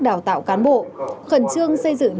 đào tạo cán bộ khẩn trương xây dựng